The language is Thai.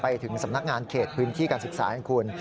ถึงสำนักงานเขตพื้นที่การศึกษาให้คุณ